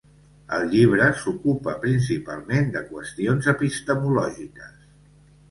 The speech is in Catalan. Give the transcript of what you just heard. El llibre s'ocupa principalment de qüestions epistemològiques.